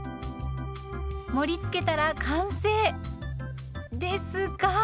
盛りつけたら完成ですが。